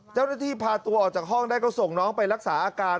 เจ้าหน้าที่พาตัวออกจากห้องได้ก็ส่งน้องไปรักษาอาการ